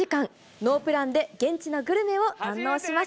ノープランで現地のグルメを堪能します。